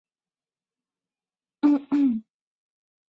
佩尔莱和卡斯泰莱。